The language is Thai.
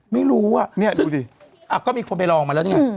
ไม่รู้อ่ะก็มีคนไปลองมาแล้วเนี่ย